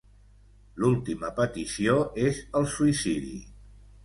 L'última petició és el suïcidi.